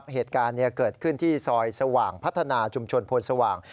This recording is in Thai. เหตุการณ์เกิดขึ้นที่ซอยสว่างพัฒนาชุมชนพลสว่าง